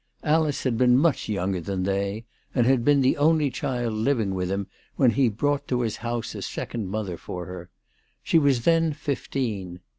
Alice had been much younger than they, and had been the only child living with him when he had brought to his house a second mother for her. She was then fifteen.